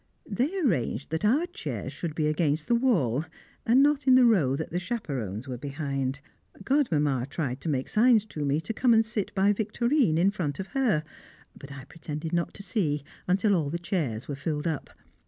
They arranged that our chairs should be against the wall, and not in the row that the chaperons were behind. Godmamma tried to make signs to me to come and sit by Victorine in front of her, but I pretended not to see, until all the chairs were filled up.